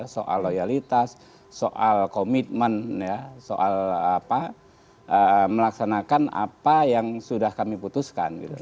soal loyalitas soal komitmen soal melaksanakan apa yang sudah kami putuskan